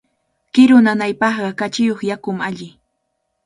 Kiru nanaypaqqa kachiyuq yakumi alli.